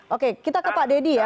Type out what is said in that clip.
oke kita ke pak deddy ya